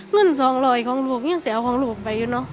เงิน๒๐๐ของลูกยังเสียเอาของลูกไปอยู่เนอะ